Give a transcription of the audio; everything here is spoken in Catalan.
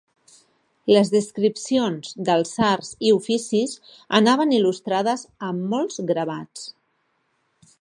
Les descripcions dels arts i oficis anaven il·lustrades amb molts gravats.